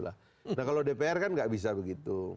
nah kalau dpr kan nggak bisa begitu